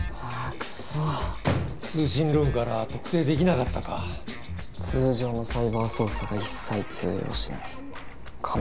クソッ通信ログから特定できなかったか通常のサイバー捜査が一切通用しない仮面